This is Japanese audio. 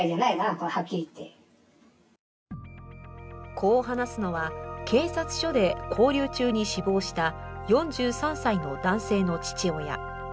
こう話すのは、警察署で勾留中に死亡した４３歳の男性の父親。